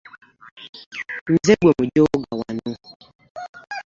Nze gwe mujooga wano.